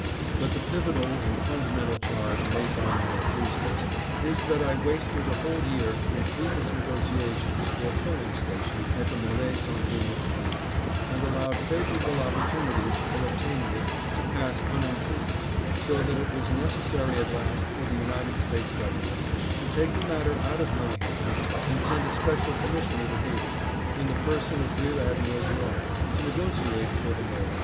" But the pivotal and fundamental charge made by my accusers is that I wasted a whole year in fruitless nego tiations for a coaling station at the Mole St. Nicolas, and allowed favorable opportunities for obtaining it to pass unimproved, so that it was necessary at last for the United States Government to take the matter out of my hands, and send a special commissioner to Haiti, in the person of Rear Admiral Gherardi, to negotiate for the M61e.